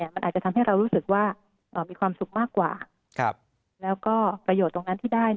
มันอาจจะทำให้เรารู้สึกว่ามีความสุขมากกว่าแล้วก็ประโยชน์ตรงนั้นที่ได้